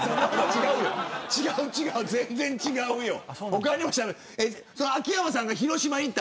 違う違う、全然違うよ。